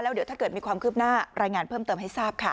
เดี๋ยวถ้าเกิดมีความคืบหน้ารายงานเพิ่มเติมให้ทราบค่ะ